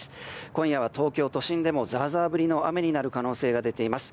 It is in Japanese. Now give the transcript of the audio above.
今夜は東京都心でもザーザー降りの雨になる可能性が出ています。